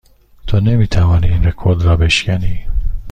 تو نمی توانی این رکورد را بشکنی.